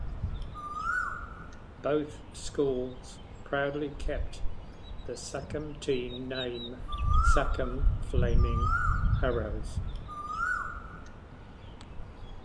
Both schools proudly kept the Sachem team name "Sachem Flaming Arrows".